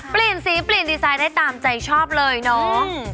ปริ่นสีปริ่นดีไซน์ได้ตามใจชอบเลยเนาะ